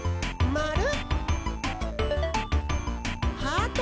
まる！